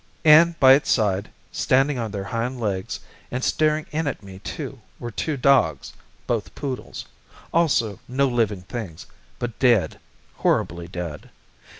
And by its side, standing on their hind legs, and staring in at me too were two dogs, both poodles also no living things, but dead, horribly dead.